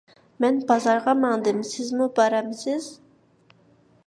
مەن بازارغا ماڭدىم، سىزمۇ بارمسىز؟